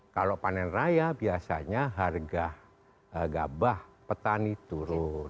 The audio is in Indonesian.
kalau panen raya biasanya harga gabah petani turun